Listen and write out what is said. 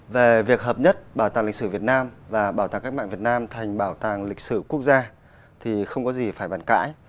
về việc hợp nhất bảo tàng lịch sử việt nam và bảo tàng cách mạng việt nam thành bảo tàng lịch sử quốc gia thì không có gì phải bàn cãi